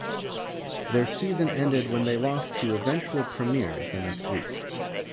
Their season ended when they lost to eventual premiers the next week.